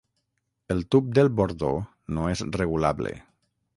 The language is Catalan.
El tub del bordó no és regulable.